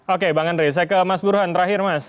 oke bang andre saya ke mas burhan terakhir mas